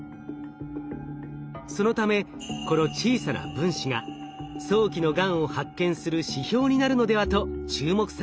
そのためこの小さな分子が早期のがんを発見する指標になるのではと注目されています。